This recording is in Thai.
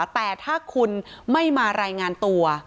แต่ถ้าคุณไม่มารายงานตัว